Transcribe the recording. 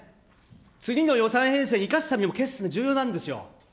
次の予算編成生かすためにも決算重要なんですよ。